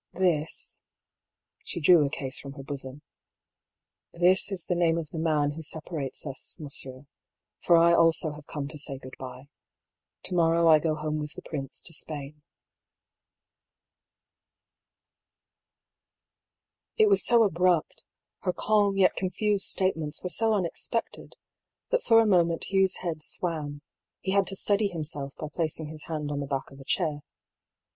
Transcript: . This" (she drew a case from her bosom), "this is the name of the man who separates us, monsieur, for I also have come to say good bye. To morrow I go home with the prince to Spain." It was so abrupt, her calm yet confused statements were so unexpected, that for a moment Hugh's head swam, he had to steady himself by placing his hand on the back of a chair.